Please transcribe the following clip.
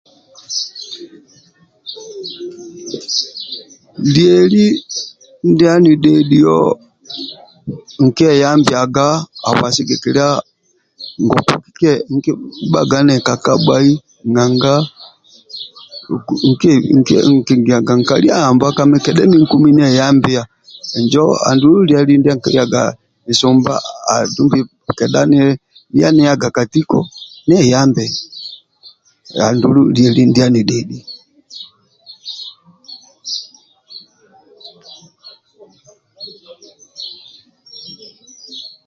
Lieli ndia anidhedhio nkie yambiaga habwa sigikilia ngoku kibhaga nikakabhai nanga nkingiaga nkali ahamba kami kedha emi nkumi nieyambia injo andulu lieli ndie nkiliaga kedha niya nihaga ka tiko andulu lieli ndia anidia anidhedhio